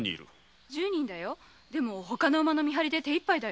十人だけど他の馬の見張りで手いっぱいだよ。